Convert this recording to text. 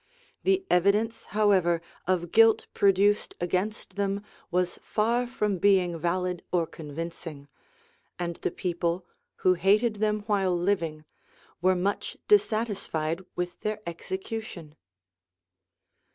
The evidence, however, of guilt produced against them was far from being valid or convincing; and the people, who hated them while living, were much dissatisfied with their execution.